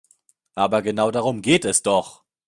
Aber genau darum geht es doch.